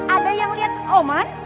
ada yang liat roman